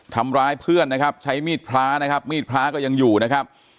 ทำร้ายเพื่อนนะครับใช้มีดพระนะครับมีดพระก็ยังอยู่นะครับ